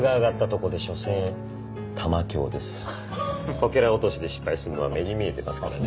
こけら落としで失敗するのは目に見えてますからね。